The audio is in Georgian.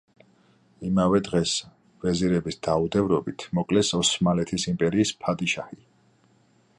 იმავე დღეს, ვეზირების დაუდევრობით, მოკლეს ოსმალეთის იმპერიის ფადიშაჰი.